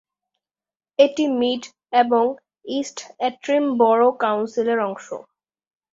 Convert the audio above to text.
এটি মিড এবং East Antrim borough কাউন্সিলের অংশ।